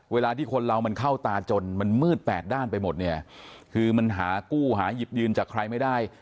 เวลาที่คนเรามันเข้าตาจนมันมืดแปดด้านไปหมดเนี่ยคือมันหากู้หาหยิบยืนจากใครไม่ได้